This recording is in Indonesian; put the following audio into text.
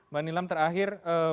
mbak nilam terakhir